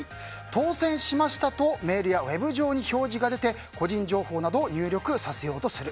当選しましたとメールやウェブ上に表示が出て個人情報などを入力させようとする。